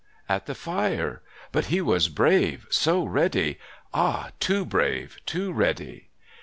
' At the fire. But he was so brave, so ready. Ah, too brave, too ready